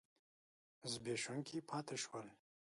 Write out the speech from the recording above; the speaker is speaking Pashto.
زبېښونکي پاتې شول.